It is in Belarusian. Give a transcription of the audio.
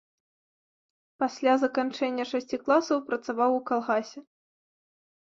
Пасля заканчэння шасці класаў працаваў у калгасе.